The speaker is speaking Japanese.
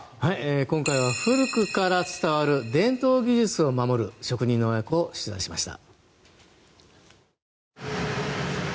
今回は古くから伝わる伝統技術を守る職人の親子に迫りました。